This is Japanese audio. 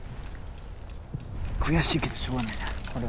悔しいけどしょうがないな